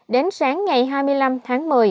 đến sáng ngày hai mươi năm tháng một mươi